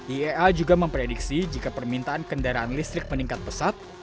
iaa juga memprediksi jika permintaan kendaraan listrik meningkat pesat